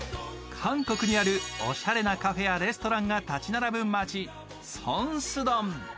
韓国にあるおしゃれなカフェやレストランが建ち並ぶ街ソンスドン。